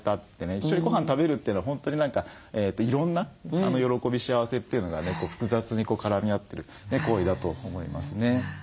一緒にごはん食べるというのは本当に何かいろんな喜び幸せというのがね複雑に絡み合ってる行為だと思いますね。